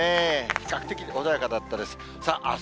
比較的穏やかだったです。